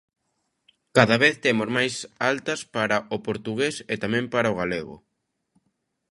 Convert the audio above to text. Cada vez temos máis altas para o portugués e tamén para o galego.